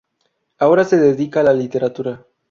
Ahora se dedica a la literatura.